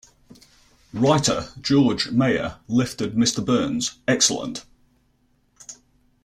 Writer George Meyer lifted Mr. Burns' Excellent!